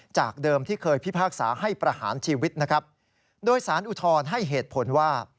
จากเดิมที่เคยพิพากษาให้ประหารชีวิตนะครับโดยสารอุทธรณ์ให้เหตุผลว่า